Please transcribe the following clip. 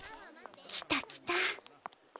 来た来た。